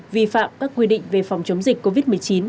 vi phạm các quy định về phòng chống dịch covid một mươi chín